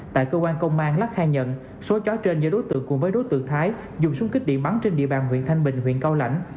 tại cơ quan công an lắc khai nhận số chó trên do đối tượng cùng với đối tượng thái dùng súng kích điện bắn trên địa bàn huyện thanh bình huyện cao lãnh